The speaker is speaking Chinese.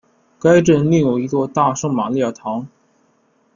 该镇另有一座大圣马利亚堂。